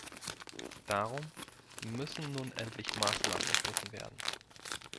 Darum müssen nun endlich Maßnahmen ergriffen werden.